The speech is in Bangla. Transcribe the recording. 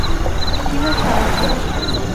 কি হয়েছে আমার ছেলের?